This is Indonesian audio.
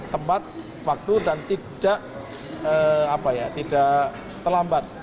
tempat waktu dan tidak terlambat